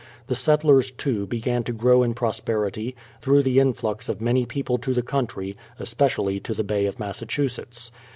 The settlers, too, began to grow in pros perity, through the influx of many people to the country, especially to the Bay of Massachusetts.